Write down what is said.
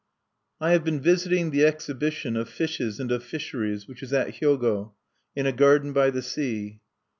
I have been visiting the exhibition of fishes and of fisheries which is at Hyogo, in a garden by the sea.